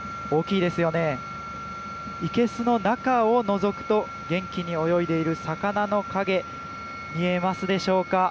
いけすの中をのぞくと元気に泳いでいる魚の影見えますでしょうか。